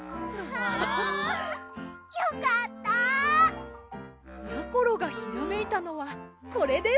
よかった！やころがひらめいたのはこれです！